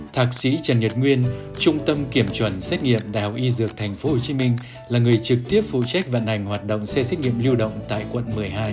thạc sĩ trần nhật nguyên trung tâm kiểm chuẩn xét nghiệm đại học y dược thành phố hồ chí minh là người trực tiếp phụ trách vận hành hoạt động xe xét nghiệm lưu động tại quận một mươi hai